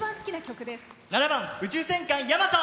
７番「宇宙戦艦ヤマト」。